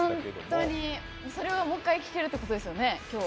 本当に、それがもう一回聞けるってことですよね、今日は。